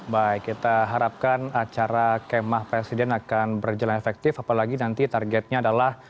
baik kita harapkan acara kemah presiden akan berjalan efektif apalagi nanti targetnya adalah